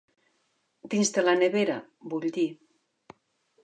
Dins de la nevera, vull dir.